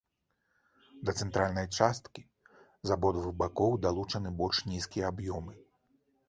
Да цэнтральнай часткі з абодвух бакоў далучаны больш нізкія аб'ёмы.